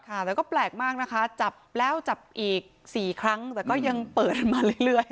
ค่ะแต่ก็แปลกมากนะคะจับแล้วจับอีก๔ครั้งแต่ก็ยังเปิดมาเรื่อย